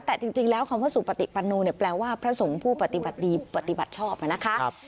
แต่จริงแล้วคำว่าสุปติปันนูแปลว่าพระสงค์ผู้ปฏิบัติดีปฏิบัติชอบนะคะ